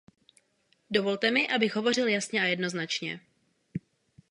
Dovolte mi, abych hovořil jasně a jednoznačně.